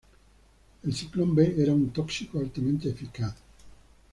El Zyklon B era un tóxico altamente eficaz.